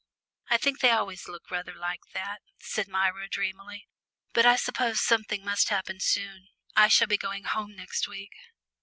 "I think they always look rather like that," said Myra dreamily. "But I suppose something must happen soon. I shall be going home next week."